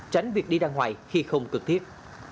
tránh việc đi ra ngoài khi không cực thiết